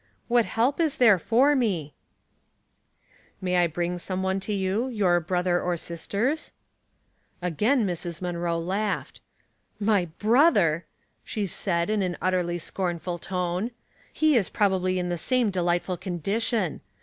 '' What help is there for me ?"" May T bring some one to you, — your brother or sisters ?" Again Mrs. Munroe laughed. " My brother !" she said, in an utterly scorn ful tone ;"' he is probably in the same delightful condition.